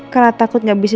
karena takut gak bisa